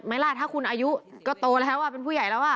ล่ะถ้าคุณอายุก็โตแล้วเป็นผู้ใหญ่แล้วอ่ะ